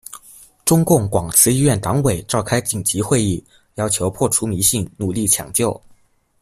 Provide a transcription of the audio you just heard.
中共广慈医院党委召开紧急会议，要求破除迷信，努力抢救。